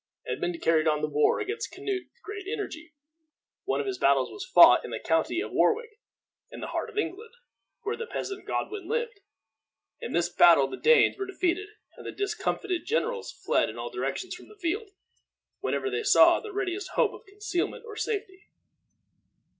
Edmund carried on the war against Canute with great energy. One of his battles was fought in the county of Warwick, in the heart of England, where the peasant Godwin lived. In this battle the Danes were defeated, and the discomfited generals fled in all directions from the field wherever they saw the readiest hope of concealment or safety.